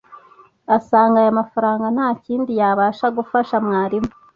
asanga aya mafaranga nta kindi yabasha gufasha mwalimu